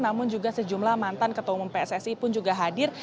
namun juga sejumlah mantan ketua umum pssi pun juga hadir